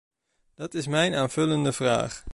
Dat is mijn aanvullende vraag.